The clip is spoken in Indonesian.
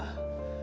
bella sengaja pak